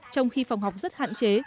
trong khi phòng học rất hạn chế